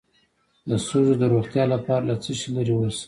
د سږو د روغتیا لپاره له څه شي لرې اوسم؟